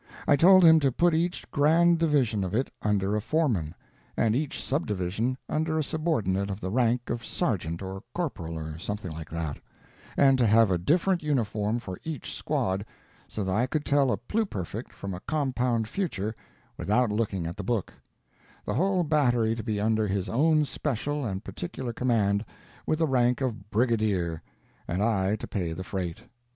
I told him to put each grand division of it under a foreman, and each subdivision under a subordinate of the rank of sergeant or corporal or something like that, and to have a different uniform for each squad, so that I could tell a Pluperfect from a Compound Future without looking at the book; the whole battery to be under his own special and particular command, with the rank of Brigadier, and I to pay the freight.